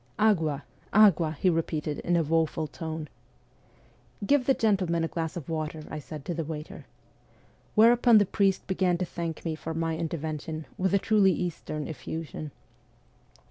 ' Agua, agua,' he repeated in a woful tone. ' Give the gentle man a glass of water,' I said to the waiter. Where upon the priest began to thank me for my intervention with a truly Eastern effusion.